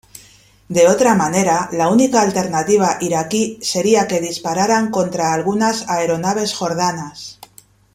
De otra manera, la única alternativa iraquí sería que dispararan contra algunas aeronaves jordanas.